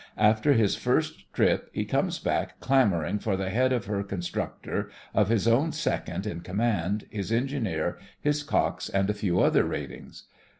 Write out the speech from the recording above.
After his first trip he comes back clamouring for the head of her con structor, of his own second in com mand, his engineer, his cox, and a few other ratings.